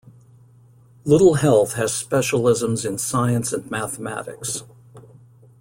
Little Heath has specialisms in Science and Mathematics.